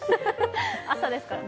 朝ですからね。